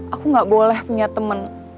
aku gak boleh punya teman